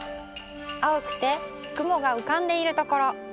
あおくてくもがうかんでいるところ。